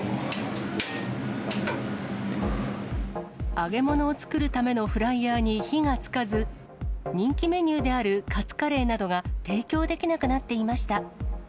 揚げ物を作るためのフライヤーに火がつかず、人気メニューであるカツカレーなどが提供できなくなっていました。